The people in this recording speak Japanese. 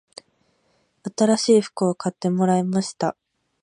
新しい服を買ってもらいました